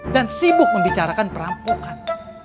dan sibuk membicarakan perampokan